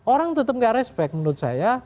orang tetap gak respect menurut saya